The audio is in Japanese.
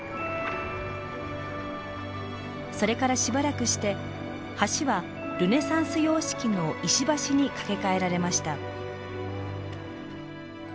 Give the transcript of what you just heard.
それからしばらくして橋はルネサンス様式の石橋に架け替えられました。